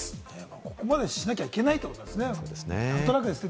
ここまでしなきゃいけないってことですね。